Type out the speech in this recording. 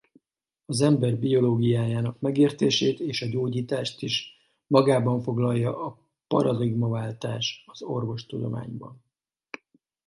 Az ember biológiájának megértését és a gyógyítást is magában foglalja a paradigmaváltás az orvostudományban.